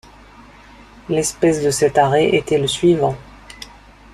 L'espèce de cet arrêt était le suivant.